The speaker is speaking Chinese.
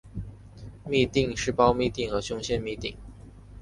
嘧啶是胞嘧啶和胸腺嘧啶。